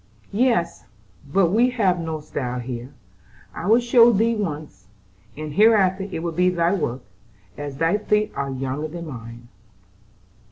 "Yes, but we have no style here. I will show thee once, and hereafter it will be thy work, as thy feet are younger than mine."